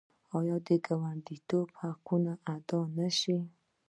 آیا د ګاونډیتوب حقونه دې ادا نشي؟